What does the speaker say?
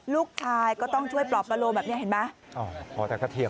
ลูกชายก็ต้องช่วยปลอบประโลแบบนี้เห็นไหม